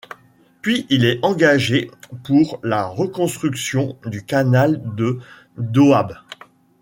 Puis il est engagé pour la reconstruction du canal de Doab.